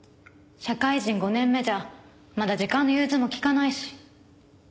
社会人５年目じゃまだ時間の融通も利かないし。